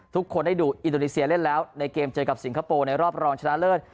ทุกคนได้ดูอินโดนีเซียเล่นแล้วในเกมเจอกับสิงคโปร์ในรอบรองชนะเลิศ